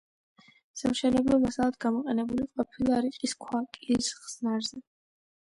სამშენებლო მასალად გამოყენებული ყოფილა რიყის ქვა კირის ხსნარზე.